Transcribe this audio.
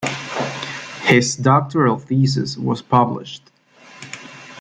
His doctoral thesis was published.